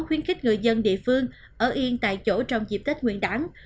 khuyến khích người dân địa phương ở yên tại chỗ trong dịp tết nguyên đảng